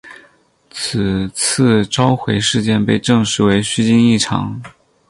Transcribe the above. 此次召回事件被证实为虚惊一场。